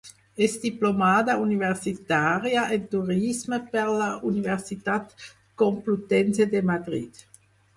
És diplomada universitària en turisme per la Universitat Complutense de Madrid.